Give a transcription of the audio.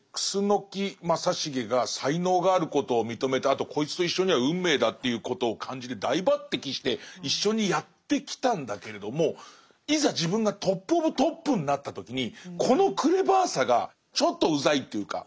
楠木正成が才能があることを認めたあとこいつと一緒には運命だということを感じて大抜てきして一緒にやってきたんだけれどもいざ自分がトップオブトップになった時にこのクレバーさがちょっとうざいというか。